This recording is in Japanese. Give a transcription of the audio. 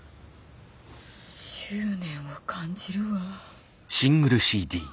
執念を感じるわ。